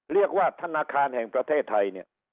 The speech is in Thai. เรียกว่าธนาคารแห่งประเทศไทยเนี่ย